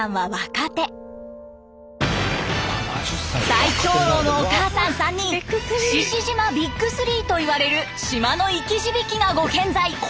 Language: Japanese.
最長老のお母さん３人「志々島ＢＩＧ３」といわれる島の生き字引がご健在！